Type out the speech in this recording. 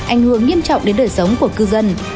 ảnh hưởng nghiêm trọng đến đời sống của cư dân